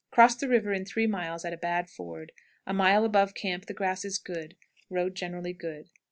Cross the river in three miles at a bad ford. A mile above camp the grass is good. Road generally good.